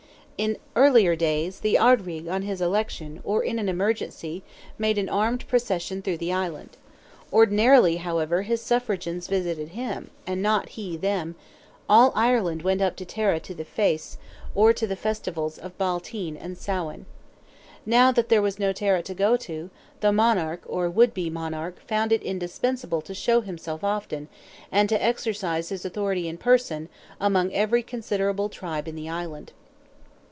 In earlier days, the Ard Righ, on his election, or in an emergency, made an armed procession through the island. Ordinarily, however, his suffragans visited him, and not he them; all Ireland went up to Tara to the Feis, or to the festivals of Baaltine and Samhain. Now that there was no Tara to go to, the monarch, or would be monarch, found it indispensable to show himself often, and to exercise his authority in person, among every considerable tribe in the island.